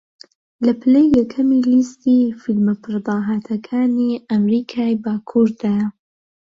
لە پلەی یەکەمی لیستی فیلمە پڕداهاتەکانی ئەمریکای باکووردایە